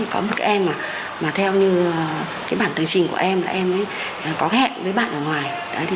có một em mà theo như bản tương trình của em là em có hẹn với bạn ở ngoài